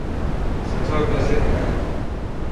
سٺو ميوزڪ هي.